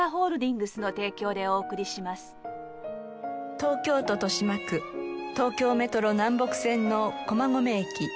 東京都豊島区東京メトロ南北線の駒込駅。